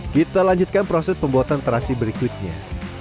kita lanjutkan proses pembuatan terasi berikutnya